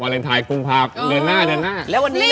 เดินหน้าแล้ววันนี้